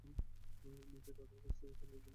মেয়েটি তাদের কাছ থেকে পালিয়ে পুলিশের কাছে গিয়েছিল।